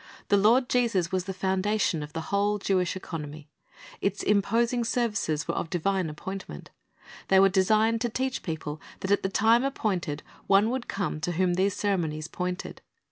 The Lord Jesus was the foundation of the whole Jewish economy. Its imposing .services were of divine appointment. They were designed to teach the people that at the time appointed One would come to whom those ceremonies pointed.